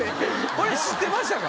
これ知ってましたか？